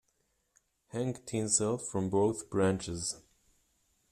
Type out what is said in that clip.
Hang tinsel from both branches.